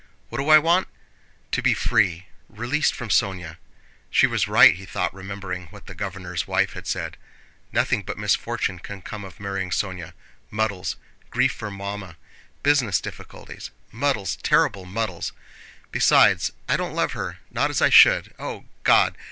"What do I want? To be free, released from Sónya... She was right," he thought, remembering what the governor's wife had said: "Nothing but misfortune can come of marrying Sónya. Muddles, grief for Mamma... business difficulties... muddles, terrible muddles! Besides, I don't love her—not as I should. O, God!